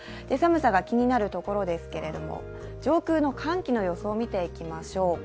寒さが気になるところですけれども、上空の寒気の予想を見ていきましょう。